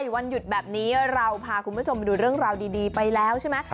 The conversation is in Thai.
วันหยุดแบบนี้เราพาคุณผู้ชมไปดูเรื่องราวดีไปแล้วใช่ไหม